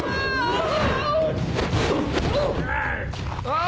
ああ